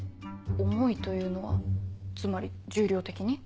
重いというのはつまり重量的に？